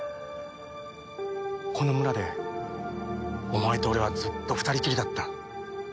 この村でお前と俺はずっと二人きりだった。